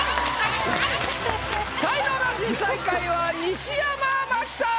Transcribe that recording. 才能ナシ最下位は西山茉希さん！